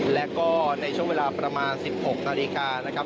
แล้วก็ในช่วงเวลาประมาณ๑๖นาฬิกานะครับ